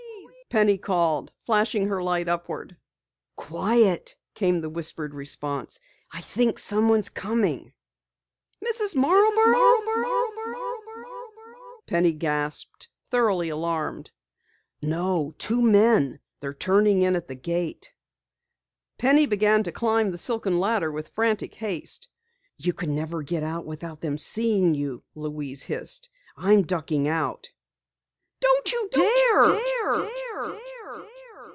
Penny called, flashing her light upward. "Quiet!" came the whispered response. "I think someone is coming!" "Mrs. Marborough?" Penny gasped, thoroughly alarmed. "No! Two men! They're turning in at the gate!" Penny began to climb the silken ladder with frantic haste. "You never can get out without them seeing you!" Louise hissed. "I'm ducking out!" "Don't you dare!"